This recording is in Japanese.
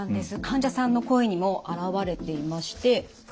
患者さんの声にも表れていまして。